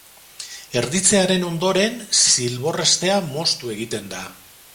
Erditzearen ondoren, zilbor-hestea moztu egiten da.